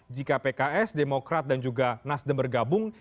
jika pks demokrat dan juga nasdem bergabung